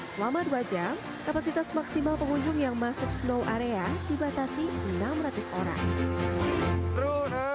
selama dua jam kapasitas maksimal pengunjung yang masuk snow area dibatasi enam ratus orang